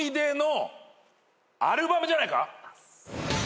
じゃないか？